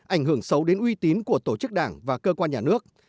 ảnh hưởng xấu đến uy tín của tổ chức đảng và cơ quan nhà nước